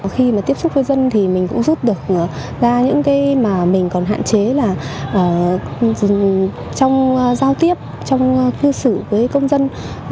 khi mà tiếp xúc với dân thì mình cũng rút được ra những cái mà mình còn hạn chế là trong giao tiếp trong cư xử với công dân